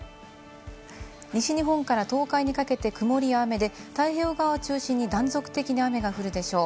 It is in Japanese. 西日本から東海にかけて曇りや雨で、太平洋側を中心に断続的に雨が降るでしょう。